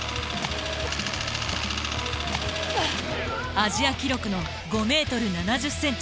アジア記録の５ｍ７０ｃｍ。